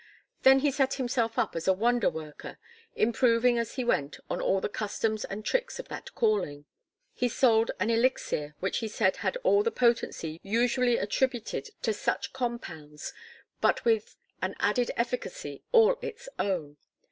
Then he set himself up as a wonder worker, improving as he went on all the customs and tricks of that calling. He sold an elixir which he said had all the potency usually attributed to such compounds but with an added efficacy all its own.